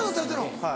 はい。